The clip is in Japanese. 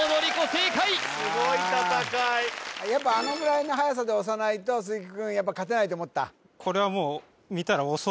正解あのぐらいのはやさで押さないとやっぱ勝てないと思った？